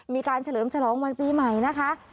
เฉลิมฉลองวันปีใหม่นะคะ